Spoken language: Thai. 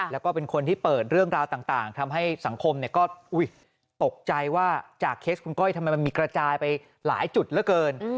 แล้วก็เป็นคนที่เปิดเรื่องราวต่างทำให้สังคมก็ตกใจว่าจากเคสคุณก้อยทำไมมันมีกระจายไปหลายจุดเหลือเกิน